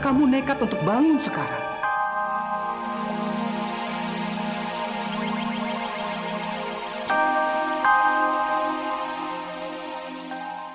kamu nekat untuk bangun sekarang